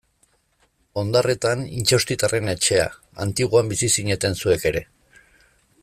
Ondarretan Intxaustitarren etxea, Antiguan bizi zineten zuek ere.